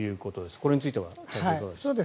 これについては、多田さんいかがですか。